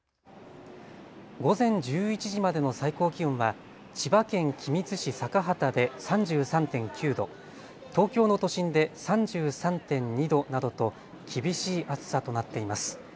午前１１時までの最高気温は千葉県君津市坂畑で３３．９度、東京の都心で３３．２度などと厳しい暑さとなっています。